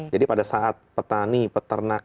jadi pada saat petani peternak